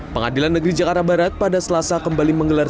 pengadilan negeri jakarta barat pada selasa kembali menggelar